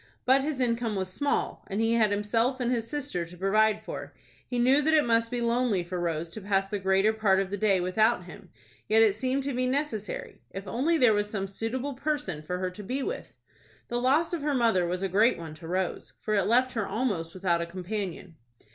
But his income was small, and he had himself and his sister to provide for. He knew that it must be lonely for Rose to pass the greater part of the day without him; yet it seemed to be necessary. If only there was some suitable person for her to be with. The loss of her mother was a great one to Rose, for it left her almost without a companion.